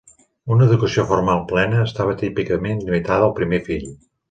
Una educació formal plena estava típicament limitada al primer fill.